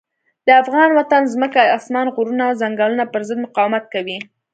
د افغان وطن ځمکه، اسمان، غرونه او ځنګلونه پر ضد مقاومت کوي.